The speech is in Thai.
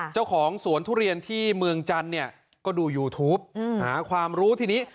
เจ้าของสวนทุเรียนที่เมืองจันทร์เนี่ยก็ดูยูทูปหาความรู้ทีนี้